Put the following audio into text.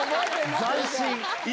斬新。